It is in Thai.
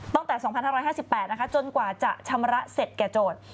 ตั้งแต่๒๕๕๘นะคะจนกว่าจะชำระเสร็จแก่โจทย์